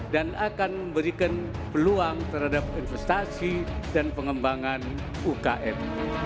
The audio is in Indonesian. akan memberikan peluang terhadap investasi dan pengembangan ukm